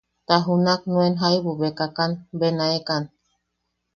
Ta junak nuen jaibu bekakan benaekan.